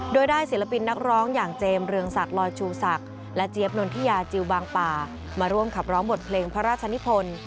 โดยได้ศิลปินนักร้องอย่างเจมส์เรืองศักดิ์ลอยชูศักดิ์และเจี๊ยบนนทิยาจิลบางป่ามาร่วมขับร้องบทเพลงพระราชนิพล